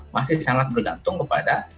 masih sangat bergantung kepada